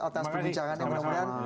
terima kasih mas ars